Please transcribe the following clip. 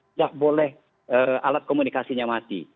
tidak boleh alat komunikasinya mati